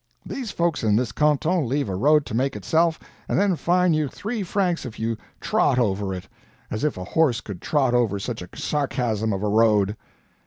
These folks in this canton leave a road to make itself, and then fine you three francs if you 'trot' over it as if a horse could trot over such a sarcasm of a road."